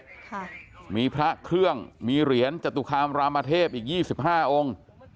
ค่ะมีพระเครื่องมีเหรียญจตุคามรามเทพอีกยี่สิบห้าองค์